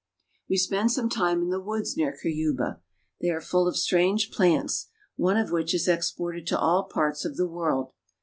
We spend some time in the woods near Cuyaba. They are full of strange plants, one of which is exported to all parts of the world.